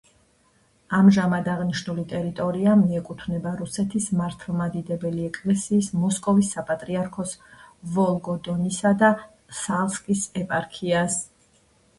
ამჟამად აღნიშნული ტერიტორია მიეკუთვნება რუსეთის მართლმადიდებელი ეკლესიის მოსკოვის საპატრიარქოს ვოლგოდონისა და სალსკის ეპარქიას.